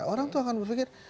orang tuh akan berpikir